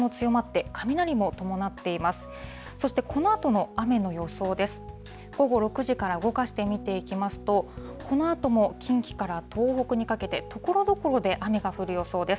午後６時から動かして見ていきますと、このあとも近畿から東北にかけて、ところどころで雨が降る予想です。